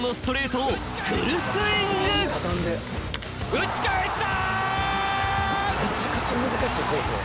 打ち返した！